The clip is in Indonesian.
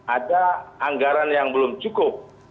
ada anggaran yang belum cukup